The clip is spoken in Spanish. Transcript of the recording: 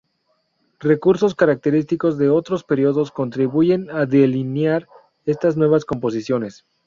Recursos característicos de otros periodos contribuyen a delinear estas nuevas composiciones.